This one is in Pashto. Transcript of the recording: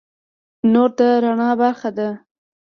نور د رڼا برخه ده.